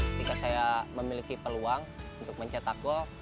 ketika saya memiliki peluang untuk mencetak gol